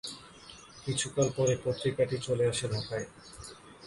কিছুকাল পরে পত্রিকাটি চলে আসে ঢাকায়।